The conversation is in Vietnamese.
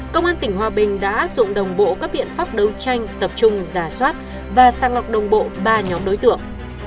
công an tỉnh hòa bình đã áp dụng đồng bộ các biện pháp đấu tranh tập trung giả soát và sang lọc đồng bộ ba nhóm đối tượng